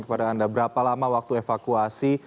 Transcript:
kepada anda berapa lama waktu evakuasi